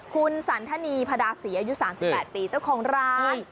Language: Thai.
คุณสันทนีพระดาศรีอายุ๓๘ปีเจ้าของร้าน